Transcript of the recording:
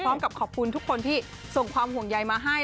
ขอบคุณทุกคนที่ส่งความห่วงใยมาให้